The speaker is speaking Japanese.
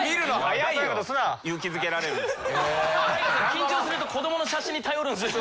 緊張すると子どもの写真に頼るんすよ。